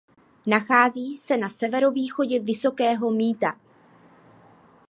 Nachází se na severovýchodě Vysokého Mýta.